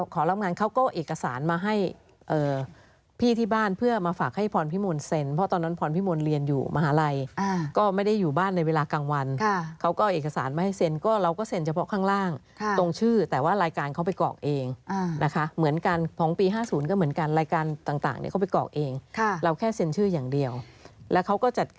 ขอรับงานเขาก็เอาเอกสารมาให้พี่ที่บ้านเพื่อมาฝากให้พรพิมนต์เซ็นเพราะตอนนั้นพรพิมนต์เรียนอยู่มหาลัยก็ไม่ได้อยู่บ้านในเวลากลางวันเขาก็เอาเอกสารมาให้เซ็นก็เราก็เซ็นเฉพาะข้างล่างตรงชื่อแต่ว่ารายการเขาไปกรอกเองนะคะเหมือนกันของปี๕๐ก็เหมือนกันรายการต่างเนี่ยเขาไปกรอกเองเราแค่เซ็นชื่ออย่างเดียวแล้วเขาก็จัดก